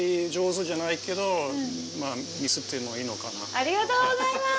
ありがとうございます！